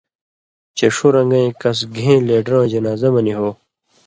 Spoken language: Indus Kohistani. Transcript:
چےۡ ݜُو رن٘گَیں کس گھېں لیڈرہ وَیں جنازہ مہ نی ہو